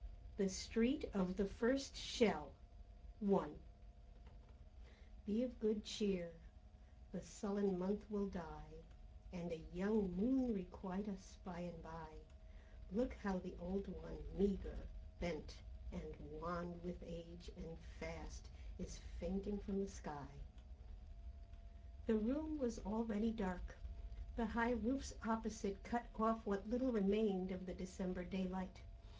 THE STREET OF THE FIRST SHELL "Be of Good Cheer, the Sullen Month will die, And a young Moon requite us by and by: Look how the Old one, meagre, bent, and wan With age and Fast, is fainting from the sky." The room was already dark. The high roofs opposite cut off what little remained of the December daylight.